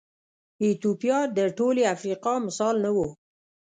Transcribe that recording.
ایتوپیا د ټولې افریقا مثال نه و.